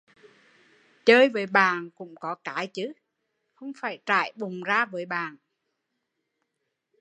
Chơi với bạn cũng có cái chứ không phải trải bụng ra với bạn